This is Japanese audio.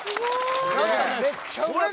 めっちゃうまそう。